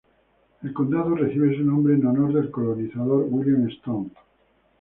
El condado recibe su nombre en honor al colonizador William Stone.